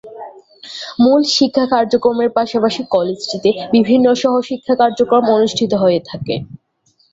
মূল শিক্ষা কার্যক্রমের পাশাপাশি কলেজটিতে বিভিন্ন সহ-শিক্ষা কার্যক্রম অনুষ্ঠিত হয়ে থাকে।